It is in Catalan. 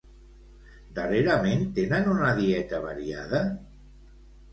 Darrerament tenen una dieta variada?